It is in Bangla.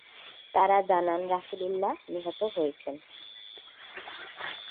তারা জানান, রাসূলুল্লাহ নিহত হয়েছেন।